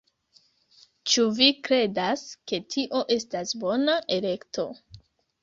Ĉu vi kredas, ke tio estas bona elekto